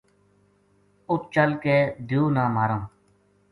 اُت چل کے دیو نا ماراں ‘‘